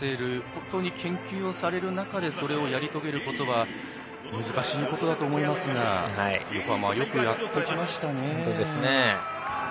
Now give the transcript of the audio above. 本当に研究をされる中でそれをやり遂げることは難しいことだと思いますがよくやってきましたね。